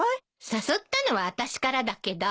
誘ったのはあたしからだけど。